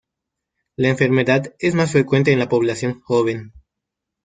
La enfermedad es más frecuente en la población joven.